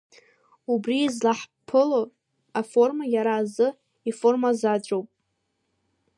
Убри излаҳԥыло аформа иара азы иформазаҵәуп.